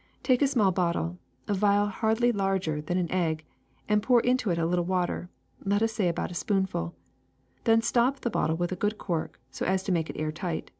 '' Take a small bottle, a vial hardly larger than an egg, and pour into it a little water, let us say about a spoonful; then stop the bottle with a good cork so as to make it air tight.